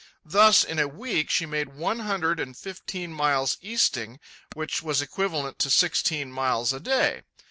Thus, in a week she made one hundred and fifteen miles easting, which was equivalent to sixteen miles a day.